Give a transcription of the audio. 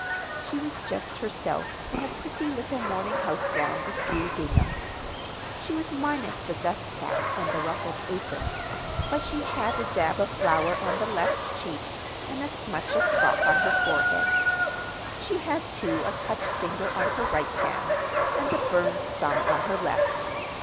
She was just herself in a pretty little morning house gown of blue gingham. She was minus the dust cap and the ruffled apron, but she had a dab of flour on the left cheek, and a smutch of crock on her forehead. She had, too, a cut finger on her right hand, and a burned thumb on her left.